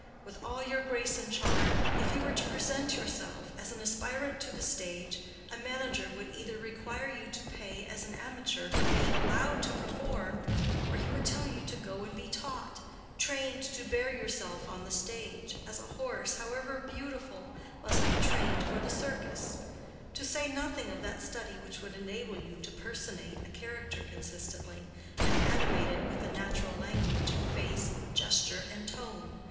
With all your grace and charm, if you were to present yourself as an aspirant to the stage, a manager would either require you to pay as an amateur for being allowed to perform or he would tell you to go and be taught—trained to bear yourself on the stage, as a horse, however beautiful, must be trained for the circus; to say nothing of that study which would enable you to personate a character consistently, and animate it with the natural language of face, gesture, and tone.